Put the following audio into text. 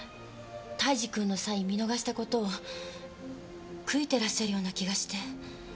泰次君のサイン見逃した事を悔いてらっしゃるような気がして。